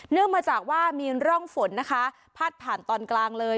มาจากว่ามีร่องฝนนะคะพาดผ่านตอนกลางเลย